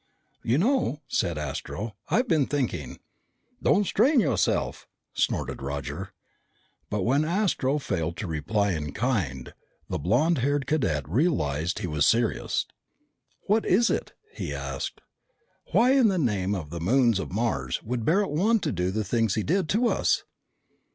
"You know," said Astro, "I've been thinking." "Don't strain yourself," snorted Roger. But when Astro failed to reply in kind, the blond haired cadet realized he was serious. "What is it?" he asked. "Why, in the name of the moons of Mars, would Barret want to do the things he did to us?"